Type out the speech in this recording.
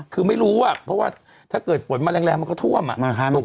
คือไม่รู้อ่ะเพราะว่าถ้าเกิดฝนมาแรงมันก็ท่วมอ่ะ